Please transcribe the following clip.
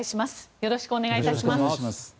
よろしくお願いします。